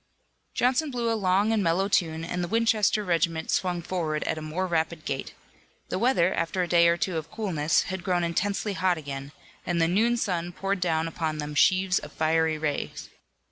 Johnson blew a long and mellow tune and the Winchester regiment swung forward at a more rapid gait. The weather, after a day or two of coolness, had grown intensely hot again, and the noon sun poured down upon them sheaves of fiery rays.